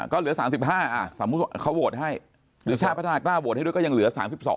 ก็เหลือ๓๕สมมุติเขาโหวตให้หรือชาติพัฒนากล้าโหวตให้ด้วยก็ยังเหลือ๓๒